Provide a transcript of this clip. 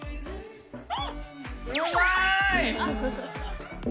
うまーい！